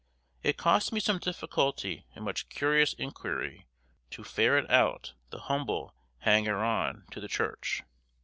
It cost me some difficulty and much curious inquiry to ferret out the humble hanger on to the church.